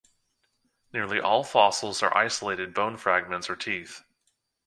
Nearly all fossils are isolated bone fragments or teeth.